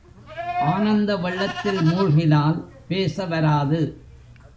ஆனந்த வெள்ளத்தில் மூழ்கினால் பேச வராது.